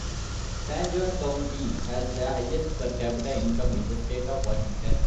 San Juan county has the highest per capita income in the state of Washington.